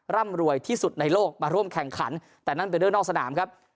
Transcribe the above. ร่ำรวยที่สุดในโลกมาร่วมแข่งขันแต่นั่นเป็นเรื่องนอกสนามครับ